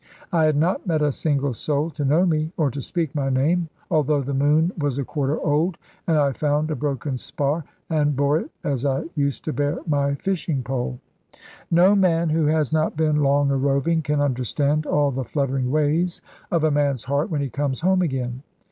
I had not met a single soul to know me, or to speak my name, although the moon was a quarter old, and I found a broken spar, and bore it as I used to bear my fishing pole. No man who has not been long a roving can understand all the fluttering ways of a man's heart when he comes home again.